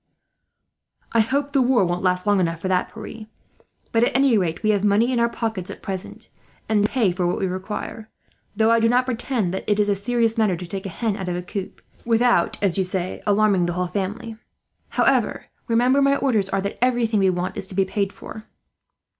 "I hope the war won't last long enough for that, Pierre. But at any rate, we have money in our pockets at present, and can pay for what we require; though I do not pretend that it is a serious matter to take a hen out of a coop, especially when you can't get it otherwise, without, as you say, alarming a whole family. However, remember my orders are that everything we want is to be paid for."